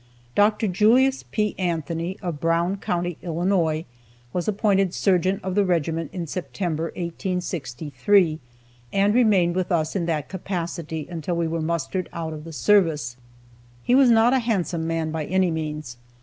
Dr. Julius P. Anthony, of Brown county, Illinois, was appointed surgeon of the regiment in September, 1863, and remained with us in that capacity until we were mustered out of the service. He was not a handsome man, by any means.